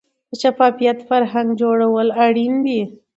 د شفافیت فرهنګ جوړول اړین دي